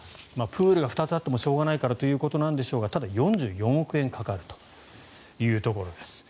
プールが２つあってもしょうがないからということなんでしょうがただ、４４億円かかるというところです。